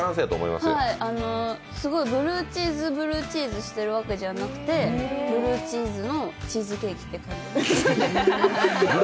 すごいブルーチーズブルーチーズしてるわけじゃなくてブルーチーズのチーズケーキって感じ。